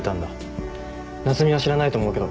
夏海は知らないと思うけど。